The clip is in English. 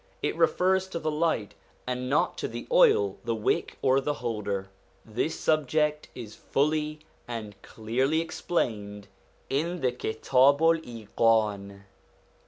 It refers to the light, and not to the oil, the wick, or the holder. This subject is fully and clearly explained in the Kitabu'l Iqan.